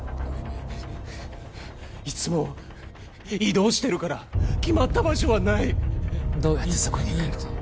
いつも移動してるから決まった場所はないどうやってそこに行く？